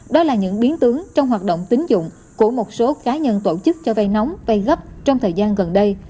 đó là những biến tướng trong hoạt động tính dụng của một số cá nhân tổ chức cho vay nóng vay gấp trong thời gian gần đây